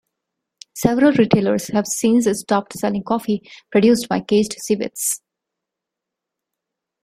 Several retailers have since stopped selling coffee produced by caged civets.